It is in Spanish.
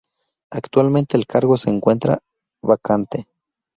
Actualmente el cargo se encuentra vacante.